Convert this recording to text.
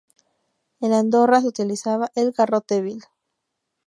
En Andorra se utilizaba el garrote vil.